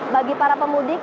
bagi para pemudik